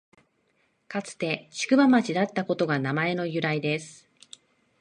かつて宿場町だったことが名前の由来です